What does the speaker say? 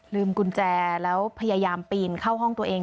กุญแจแล้วพยายามปีนเข้าห้องตัวเอง